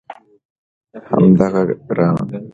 همدغه ګرانه